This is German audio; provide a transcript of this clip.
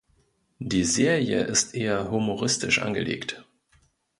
Die Serie ist eher humoristisch angelegt.